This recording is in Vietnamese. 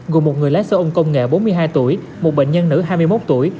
gồm một người lái xe ôn công nghệ bốn mươi hai tuổi một bệnh nhân nữ hai mươi một tuổi